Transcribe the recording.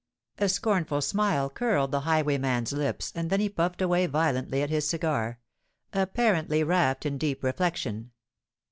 A scornful smile curled the highwayman's lips and then he puffed away violently at his cigar—apparently wrapped in deep reflection.